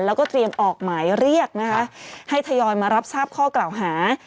แล้วก็เตรียมออกหมายเรียกนะคะให้ทยอยมารับทราบข้อกล่าวหา